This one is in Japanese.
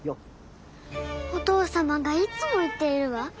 お父様がいつも言っているわ。